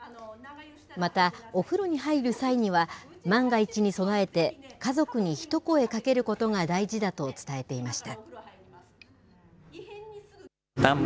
また、お風呂に入る際には、万が一に備えて、家族に一声かけることが大事だと伝えていました。